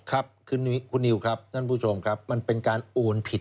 ครับคุณนิวครับท่านผู้ชมครับมันเป็นการโอนผิด